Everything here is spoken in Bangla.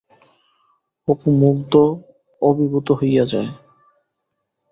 অপু মুগ্ধ, অভিভূত হইয়া যায়!